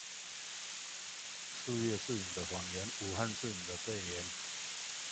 四月是你的謊言，武漢是你的肺炎